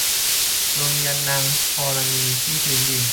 ลงยันต์นางธรณีที่พื้นดิน